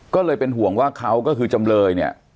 ก็เลยเป็นห่วงว่าเขาก็คือจำเลยเนี่ย